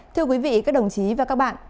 thưa quý vị các đồng chí và các bạn